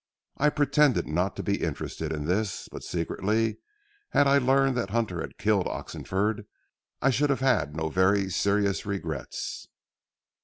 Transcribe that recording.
I pretended not to be interested in this, but secretly had I learned that Hunter had killed Oxenford, I should have had no very serious regrets.